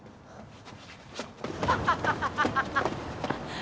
ハハハハ